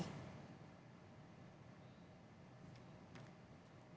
ketua parpol itu menyebut hal yang tidak berguna